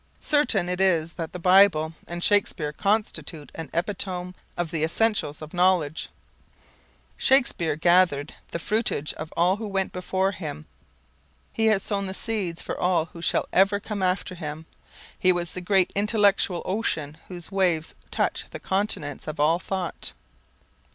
Certain it is that the Bible and Shakespeare constitute an epitome of the essentials of knowledge. Shakespeare gathered the fruitage of all who went before him, he has sown the seeds for all who shall ever come after him. He was the great intellectual ocean whose waves touch the continents of all thought.